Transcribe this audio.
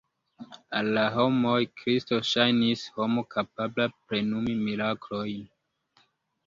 Al la homoj Kristo ŝajnis homo kapabla plenumi miraklojn.